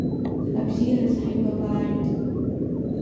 Абзиараз ҳаибабааит!